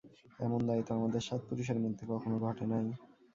এমন দায় তো আমাদের সাত পুরুষের মধ্যে কখনো ঘটে নাই।